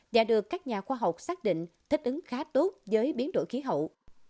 và được các nhà khoa học xác định thích ứng khá tốt với biến đổi khí hậu